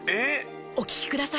お聴きください。